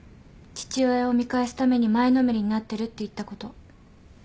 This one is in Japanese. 「父親を見返すために前のめりになってる」って言ったこと。